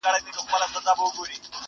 معلوميږي چي موسم رانه خفه دی.